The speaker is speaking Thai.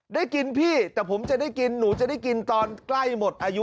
ได้กินพี่แต่ผมจะได้กินหนูจะได้กินตอนใกล้หมดอายุ